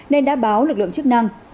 nên đã báo lực lượng chức năng